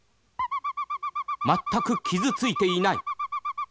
全く傷ついていない。